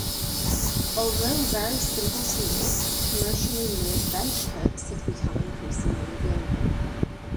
Although very simple to make, commercially made bench hooks have become increasingly available.